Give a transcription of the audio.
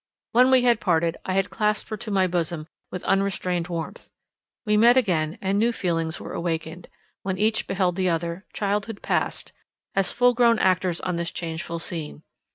When we had parted, I had clasped her to my bosom with unrestrained warmth; we met again, and new feelings were awakened; when each beheld the other, childhood passed, as full grown actors on this changeful scene.